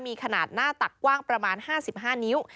มีขนาดหน้าตักกว้างประมาณ๕๕นิ้ว